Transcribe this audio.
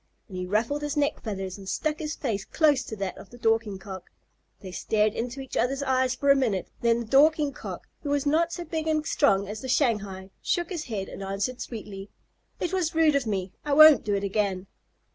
And he ruffled his neck feathers and stuck his face close to that of the Dorking Cock. They stared into each other's eyes for a minute; then the Dorking Cock, who was not so big and strong as the Shanghai, shook his head and answered sweetly, "It was rude of me. I won't do it again."